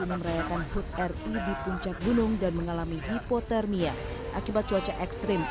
ini merayakan hud ri di puncak gunung dan mengalami hipotermia akibat cuaca ekstrim